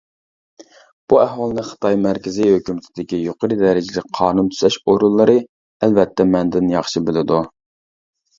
بۇ ئەھۋالنى خىتاي مەركىزى ھۆكۈمىتىدىكى يۇقىرى دەرىجىلىك قانۇن تۈزەش ئورۇنلىرى ئەلۋەتتە مەندىن ياخشى بىلىدۇ.